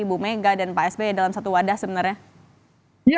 ibu mega dan pak sby dalam satu wadah sebenarnya